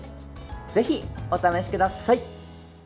ぜひお試しください。